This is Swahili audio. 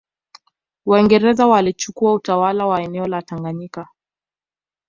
Waingereza walichukua utawala wa eneo la Tanganyika